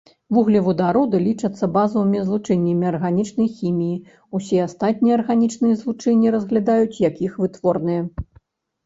Вуглевадароды лічацца базавымі злучэннямі арганічнай хіміі, усе астатнія арганічныя злучэнні разглядаюць як іх вытворныя.